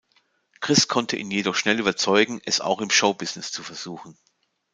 Chris konnte ihn jedoch schnell überzeugen, es auch im Show Business zu versuchen.